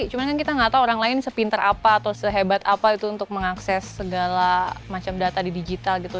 cuma kan kita nggak tahu orang lain sepintar apa atau sehebat apa itu untuk mengakses segala macam data di digital gitu